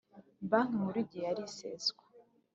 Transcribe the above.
Banki Nkuru igihe ari iseswa